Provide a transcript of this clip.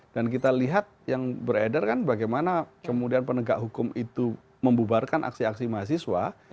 dan kita lihat yang beredar kan bagaimana kemudian penegak hukum itu membubarkan aksi aksi mahasiswa